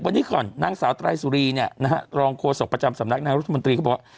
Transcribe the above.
นี่ก่อนนางสาวตรายสุรีเนี่ยนะฮะรองโครสกประจำสำนักนางรุทธมนตรีเขาบอก